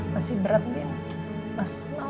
masih berat bin